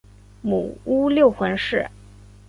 母乌六浑氏。